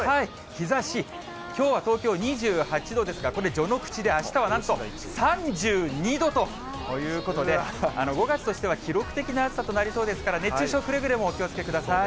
日ざし、きょうは東京２８度ですが、これ、序ノ口で、あしたはなんと３２度ということで、５月としては記録的な暑さとなりそうですから、熱中症、くれぐれもお気をつけください。